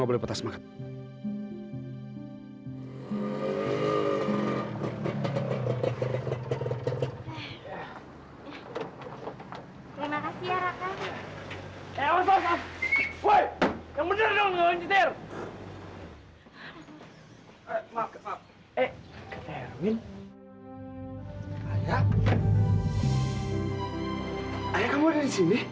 ayah kamu ada disini